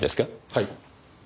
はい。